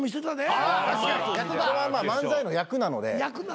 あれは漫才の役なので。